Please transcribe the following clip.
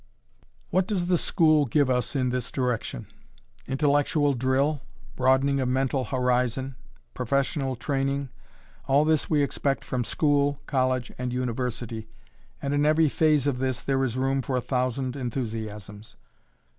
What does the school give us in this direction? Intellectual drill, broadening of mental horizon, professional training, all this we expect from school, college, and university and in every phase of this there is room for a thousand enthusiasms.